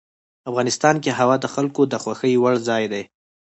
افغانستان کې هوا د خلکو د خوښې وړ ځای دی.